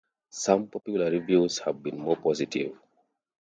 Some popular reviews have been more positive.